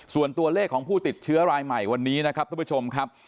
ส่วนตัวเลขของผู้ติดเชื้อรายใหม่วันนี้นะครับทุกผู้ชมครับ